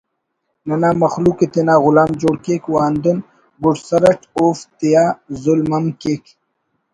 ننا مخلوق ءِ تینا غلام جوڑ کیک و ہندن گڈسر اٹ اوفتیا ظلم ہم کیک